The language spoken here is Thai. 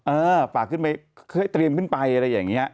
เออฝากขึ้นไปเตรียมขึ้นไปอะไรอย่างนี้